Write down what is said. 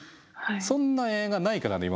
そんな映画ないからね